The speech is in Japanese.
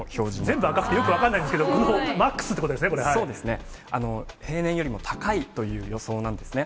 全部赤くてよく分かんないんですけど、そうですね、平年よりも高いという予想なんですね。